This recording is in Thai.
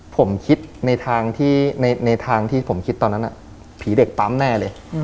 ผมคิดในทางที่ผมคิดตอนนั้นน่ะผีเด็กปั๊มแน่เลย